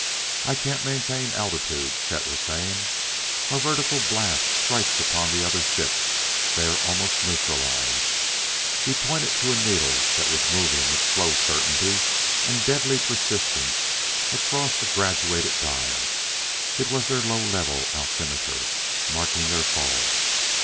"I can't maintain altitude," Chet was saying. "Our vertical blasts strike upon the other ship; they are almost neutralized." He pointed to a needle that was moving with slow certainty and deadly persistence across a graduated dial. It was their low level altimeter, marking their fall.